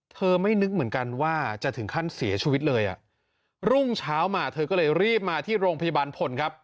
ไม่นึกเหมือนกันว่าจะถึงขั้นเสียชีวิตเลยอ่ะรุ่งเช้ามาเธอก็เลยรีบมาที่โรงพยาบาลพลครับ